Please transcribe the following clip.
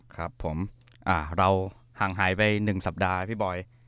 ครับผมเราห่างหายไป๑สัปดาห์พี่บอย